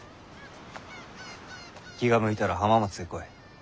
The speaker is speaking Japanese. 気が向いたら浜松へ来い。